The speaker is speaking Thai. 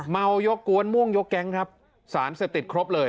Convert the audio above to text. เมายกกวนม่วงยกแก๊งครับสารเสพติดครบเลย